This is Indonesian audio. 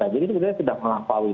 jadi ini sudah melampaui